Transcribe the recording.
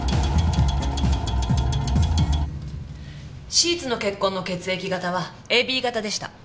シーツの血痕の血液型はＡＢ型でした。